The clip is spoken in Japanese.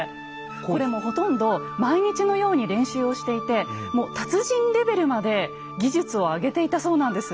これもほとんど毎日のように練習をしていてもう達人レベルまで技術を上げていたそうなんです。